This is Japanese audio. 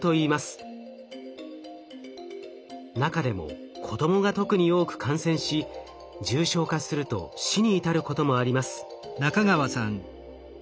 中でも子供が特に多く感染し重症化すると死に至ることもあります。